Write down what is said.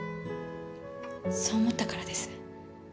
そう思ったからです。